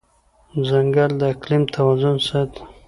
ځنګل د اقلیم توازن ساتي.